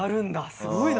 すごいな！